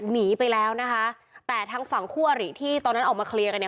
หนีไปแล้วนะคะแต่ทางฝั่งคู่อริที่ตอนนั้นออกมาเคลียร์กันเนี่ย